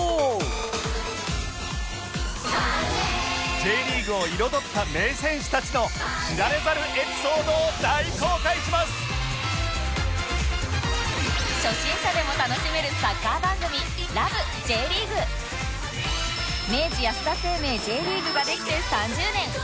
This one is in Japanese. Ｊ リーグを彩った名選手たちの初心者でも楽しめるサッカー番組明治安田生命 Ｊ リーグができて３０年！